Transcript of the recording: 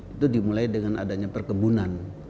itu dimulai dengan adanya perkebunan